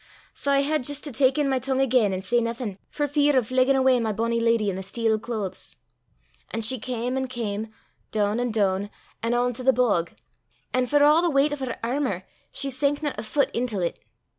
Sae I had jist to tak in my tongue again, an' say naething, for fear o' fleggin' awa my bonnie leddy i' the steel claes. An' she cam an' cam, doon an' doon, an' on to the bog; an' for a' the weicht o' her airmour she sankna a fit intil 't.